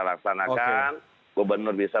laksanakan gubernur bisa